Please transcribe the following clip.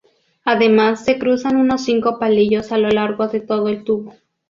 Además se cruzan unos cinco palillos a lo largo de todo el tubo.